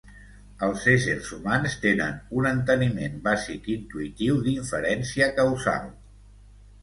Els éssers humans tenen un enteniment bàsic intuïtiu d'inferència causal.